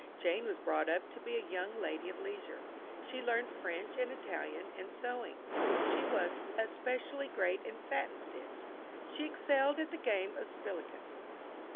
Jane was brought up to be a young lady of leisure. She learned French and Italian and sewing: she was "especially great in satin stitch." She excelled at the game of spillikins.